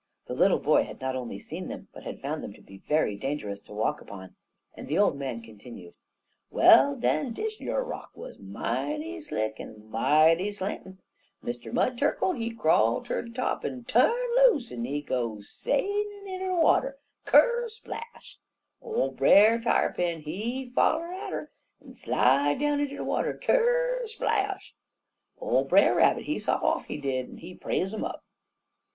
The little boy had not only seen them, but had found them to be very dangerous to walk upon, and the old man continued: "Well, den, dish yer rock wuz mighty slick en mighty slantin'. Mr. Mud Turkle, he'd crawl ter de top, en tu'n loose, en go a sailin' down inter de water kersplash! Ole Brer Tarrypin, he'd foller atter, en slide down inter de water kersplash! Ole Brer Rabbit, he sot off, he did, en praise um up.